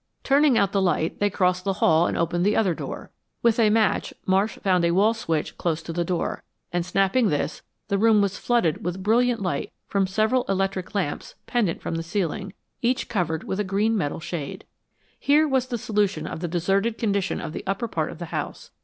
Turning out the light, they crossed the hall and opened the other door. With a match, Marsh found a wall switch close to the door, and snapping this, the room was flooded with brilliant light from several electric lamps pendant from the ceiling, each covered with a green metal shade. Here was the solution of the deserted condition of the upper part of the house.